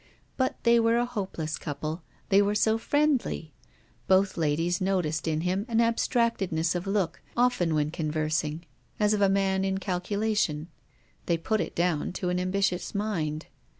But they were a hopeless couple, they were so friendly. Both ladies noticed in him an abstractedness of look, often when conversing, as of a man in calculation; they put it down to an ambitious mind.